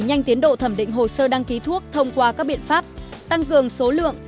nhanh tiến độ thẩm định hồ sơ đăng ký thuốc thông qua các biện pháp tăng cường số lượng